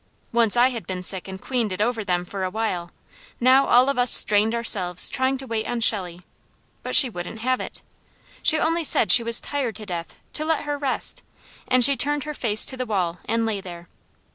Once I had been sick and queened it over them for a while, now all of us strained ourselves trying to wait on Shelley; but she wouldn't have it. She only said she was tired to death, to let her rest, and she turned her face to the wall and lay there.